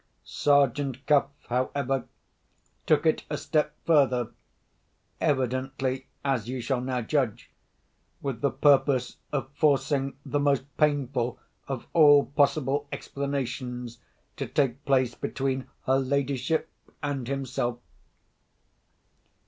Sergeant Cuff, however, took it a step further, evidently (as you shall now judge) with the purpose of forcing the most painful of all possible explanations to take place between her ladyship and himself.